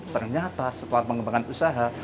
ternyata setelah pengembangan usaha